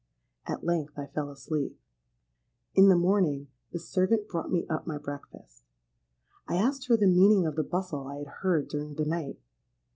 At length I fell asleep. "In the morning the servant brought me up my breakfast. I asked her the meaning of the bustle I had heard during the night.